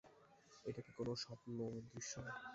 এটা কি কোনো স্বপ্নদৃশ্য?